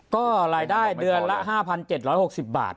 ก็รายได้เดือนละ๕๗๖๐บาท